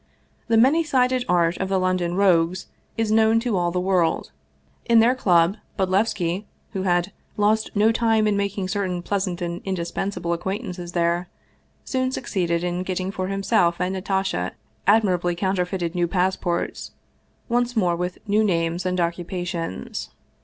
The many sided art of the Lon don rogues is known to all the world; in their club, Bod levski, who had lost no time in making certain pleasant and indispensable acquaintances there, soon succeeded in get ting for himself and Natasha admirably counterfeited new passports, once more with new names and occupations.